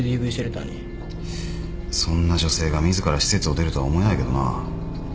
そんな女性が自ら施設を出るとは思えないけどな。